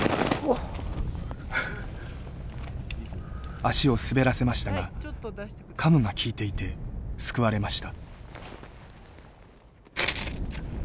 足を滑らせましたがカムが効いていて救われました。